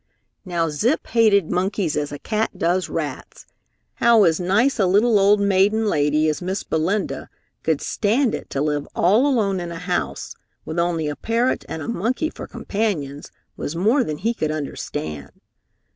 Now Zip hated monkeys as a cat does rats. How as nice a little old maiden lady as Miss Belinda could stand it to live all alone in a house with only a parrot and a monkey for companions was more than he could understand.